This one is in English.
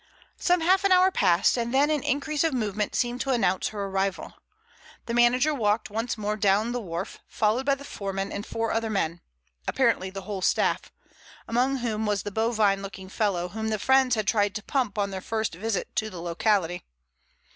Some half an hour passed, and then an increase of movement seemed to announce her arrival. The manager walked once more down the wharf, followed by the foreman and four other men—apparently the whole staff—among whom was the bovine looking fellow whom the friends had tried to pump on their first visit to the locality.